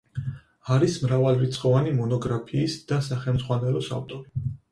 არის მრავალრიცხოვანი მონოგრაფიის და სახელმძღვანელოს ავტორი.